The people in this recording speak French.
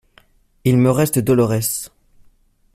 Il me reste Dolorès.